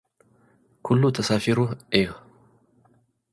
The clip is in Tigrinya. ኩሉ ተሳፊሩ'ዩ!